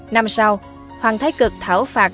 năm sau hoàng thái cực thảo phạt